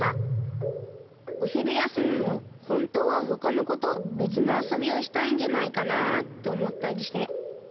おひるやすみもほんとうはほかのことべつのあそびをしたいんじゃないかなとおもったりして。